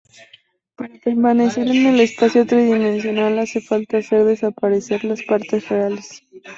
Para permanecer en el espacio tridimensional, hace falta hacer desaparecer las partes reales.